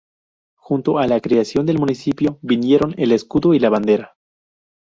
Junto a la creación del municipio vinieron el escudo y la bandera.